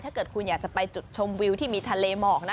ถ้าเกิดคุณอยากจะไปจุดชมวิวที่มีทะเลหมอกนะ